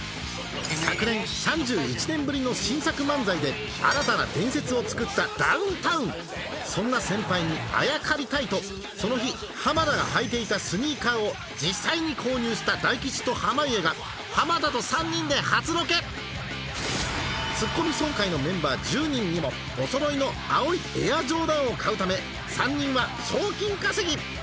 昨年３１年ぶりの新作漫才で新たな伝説を作ったダウンタウンそんな先輩にあやかりたいとその日浜田が履いていたスニーカーを実際に購入した大吉と濱家が浜田と３人で初ロケツッコミ総会のメンバー１０人にもお揃いの青いＡｉｒＪｏｒｄａｎを買うため３人は賞金稼ぎ！